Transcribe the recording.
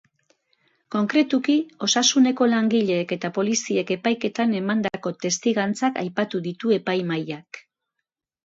Konkretuki, osasuneko langileek eta poliziek epaiketan emandako testigantzak aipatu ditu epaimahaiak.